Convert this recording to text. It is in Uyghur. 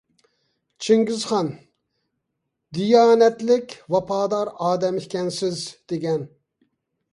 چىڭگىزخان : «دىيانەتلىك، ۋاپادار ئادەم ئىكەنسەن» دېگەن.